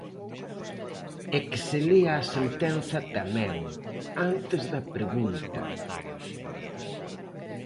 E que se lea a sentenza tamén, antes da pregunta.